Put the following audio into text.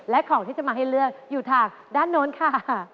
และของที่จะมาให้เลือกอยู่ทางด้านโน้นค่ะ